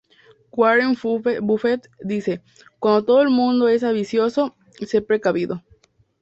Warren Buffett dice “cuando todo el mundo es ambicioso, se precavido.